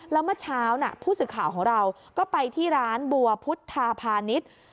แล้วเมื่อเช้าผู้สื่อข่าวของเราก็ไปที่ร้านบัวพุทธาพาณิชย์